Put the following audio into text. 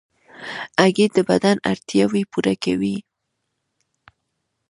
هګۍ د بدن اړتیاوې پوره کوي.